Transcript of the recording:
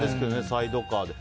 サイドカーで。